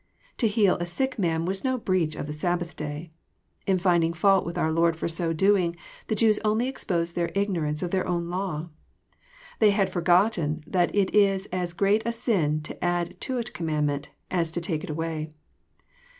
To heal a sick man was no breach of the Sabbath day. In finding fault with our Lord for so doing, the Jews only exposed their ignorance of their own law. They had forgotten that it is as great a sin to add to a commandment, as to take it away.